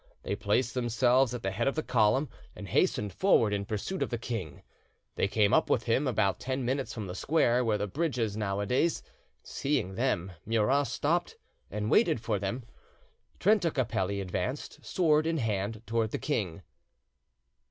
They placed themselves at the head of the column, and hastened forward in pursuit of the king; they came up with him about ten minutes from the square, where the bridge is nowadays. Seeing them, Murat stopped and waited for them. Trenta Capelli advanced, sword in hand, towards the king.